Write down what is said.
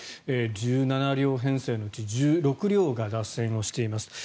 １７両編成のうち１６両が脱線しています。